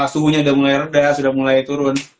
suhunya sudah mulai reda sudah mulai turun